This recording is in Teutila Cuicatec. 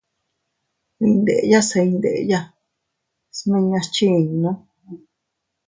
Iyndeya se iydenya smiñas chiinnu.